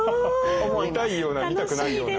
見たいような見たくないような。